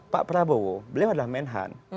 pak prabowo beliau adalah men hunt